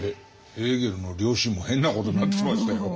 ヘーゲルの良心も変なことになってきましたよ。